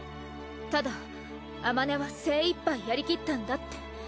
ただあまねは精いっぱいやり切ったんだって